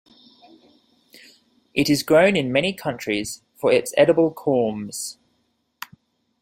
It is grown in many countries for its edible corms.